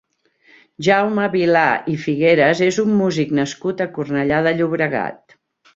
Jaume Vilà i Figueras és un músic nascut a Cornellà de Llobregat.